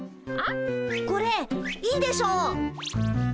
これいいでしょ。